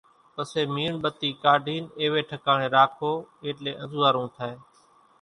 پسي ميڻ ٻتي ڪاڍين ايوي ٺڪاڻي راکو ايٽلي انزوئارون ٿائي